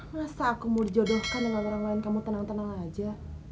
masa aku mau dijodohkan dengan orang lain kamu tenang tenang aja